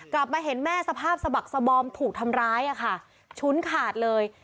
กลับมาเห็นแม่สภาพสบักสบอมถูกทำร้ายอะค่ะชุ้นขาดเลย